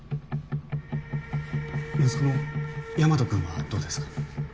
息子の大和君はどうですか？